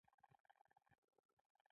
شخص نږدې شیان په واضح ډول نشي لیدلای.